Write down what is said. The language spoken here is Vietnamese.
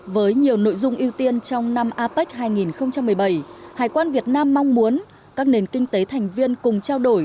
với nhiều nội dung ưu tiên trong năm apec hai nghìn một mươi bảy hải quan việt nam mong muốn các nền kinh tế thành viên cùng trao đổi